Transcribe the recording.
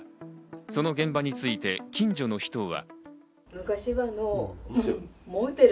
その現場について近所の人は。